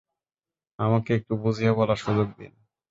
আমাকে একটু বুঝিয়ে বলার সুযোগ দিন!